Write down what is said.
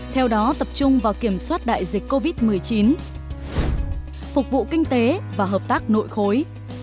theo đó tập trung vào kiểm soát đại dịch covid một mươi chín phục vụ kinh tế và hợp tác nội khối